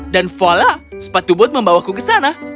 dan voila sepatu buat membawaku ke sana